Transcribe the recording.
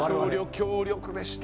強力でした。